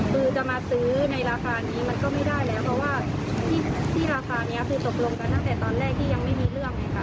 คือจะมาซื้อในราคานี้มันก็ไม่ได้แล้วเพราะว่าที่ราคานี้คือตกลงกันตั้งแต่ตอนแรกที่ยังไม่มีเรื่องไงค่ะ